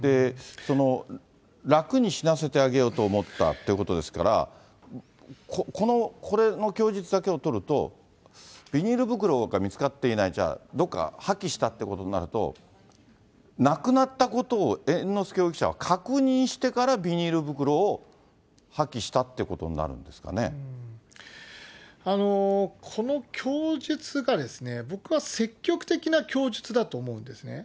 楽に死なせてあげようと思ったということですから、この、これの供述だけを取ると、ビニール袋が見つかっていない、じゃあ、どこか破棄したってことになると、亡くなったことを猿之助容疑者は確認してからビニール袋を破棄しこの供述がですね、僕は積極的な供述だと思うんですね。